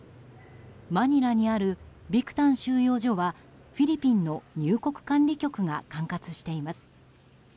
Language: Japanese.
マニラにあるビクタン収容所はフィリピンの入国管理局が管轄しています。